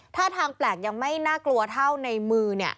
ท่าทางแปลกยังไม่น่ากลัวเท่าในมือเนี่ย